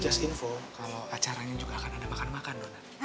just info kalau acaranya juga akan ada makan makan dona